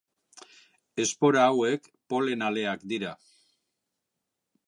Espora hauek, polen aleak dira.